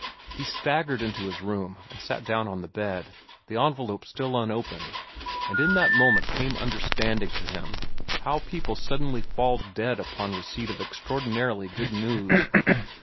He staggered into his room and sat down on the bed, the envelope still unopened, and in that moment came understanding to him how people suddenly fall dead upon receipt of extraordinarily good news.